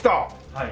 はい。